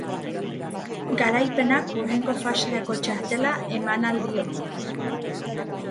Garaipenak hurrengo faserako txartela eman ahal dio.